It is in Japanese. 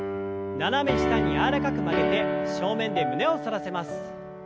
斜め下に柔らかく曲げて正面で胸を反らせます。